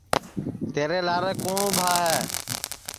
تیرے لارے کُوٹؔ اُبھا ہے